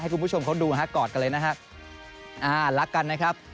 คุณผู้ชมเขาดูฮะกอดกันเลยนะฮะอ่ารักกันนะครับ